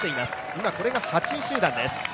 今これが８位集団です。